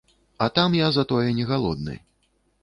А там я затое не галодны.